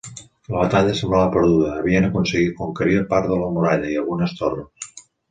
La batalla semblava perduda, havien aconseguit conquerir part de la muralla i algunes torres.